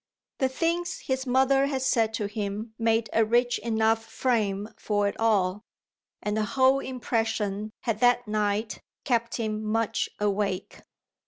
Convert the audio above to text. The things his mother had said to him made a rich enough frame for it all, and the whole impression had that night kept him much awake.